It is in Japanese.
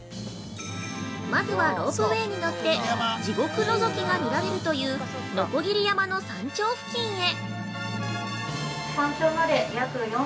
まずはロープウエーに乗って、地獄のぞきが見られるという、鋸山の山頂付近へ。